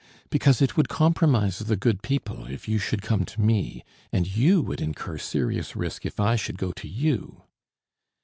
"Because it would compromise the good people if you should come to me, and you would incur serious risk if I should go to you."